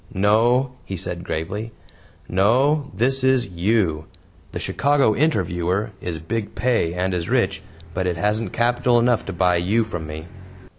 "No," he said gravely. "No this is YOU. The CHICAGO INTERVIEWER is big pay and is rich, but it hasn't capital enough to buy you from me."